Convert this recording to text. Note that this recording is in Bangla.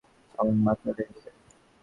আমার মা চলে গেছে।